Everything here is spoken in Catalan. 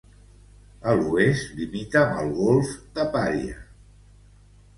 A l'oest limita amb el golf de Paria.